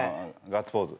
ガッツポーズ。